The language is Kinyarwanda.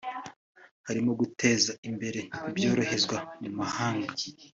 harimo guteza imbere ibyoherezwa mu mahanga